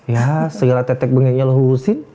ya segala tetek bengiknya lo urusin